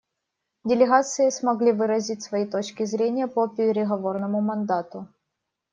Делегации смогли выразить свои точки зрения по переговорному мандату.